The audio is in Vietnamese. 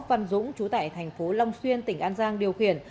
an dũng trú tại thành phố long xuyên tỉnh an giang điều khiển